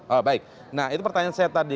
oh baik nah itu pertanyaan saya tadi